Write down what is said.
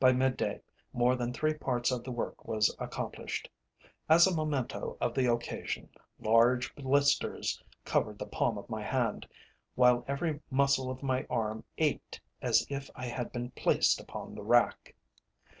By mid day more than three parts of the work was accomplished. As a memento of the occasion, large blisters covered the palm of my hand, while every muscle of my arm ached as if I had been placed upon the rack.